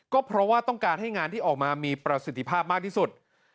ก็เพราะว่าต้องการให้งานที่ออกมามีประสิทธิภาพมากที่สุด